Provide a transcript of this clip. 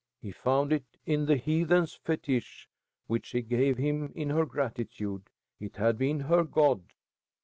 He found it in the heathen fetish which she gave him in her gratitude. It had been her god.